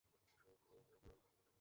Moon মুন জীর কথা বলি নাই?